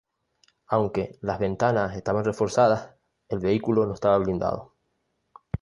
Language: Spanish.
Aunque las ventanas estaban reforzadas, el vehículo no estaba blindado.